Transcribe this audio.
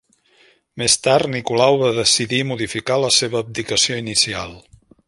Més tard, Nicolau va decidir modificar la seva abdicació inicial.